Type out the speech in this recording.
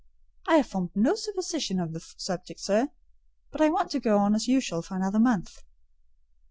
"I have formed no supposition on the subject, sir; but I want to go on as usual for another month."